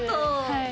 はい。